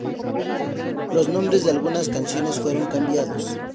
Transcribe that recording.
Los nombres de algunas canciones fueron cambiados.